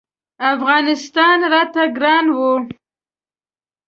افغانستان راته ګران و.